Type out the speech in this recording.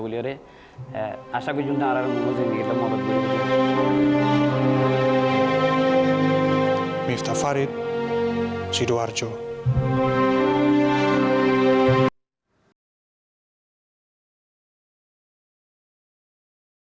ini keadaan saya pasti weh stabilisirkan przez mereka